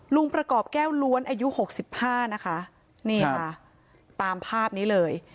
ประกอบแก้วล้วนอายุหกสิบห้านะคะนี่ค่ะตามภาพนี้เลย